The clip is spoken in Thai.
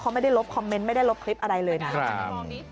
เขาไม่ได้ลบคอมเมนต์ไม่ได้ลบคลิปอะไรเลยนะ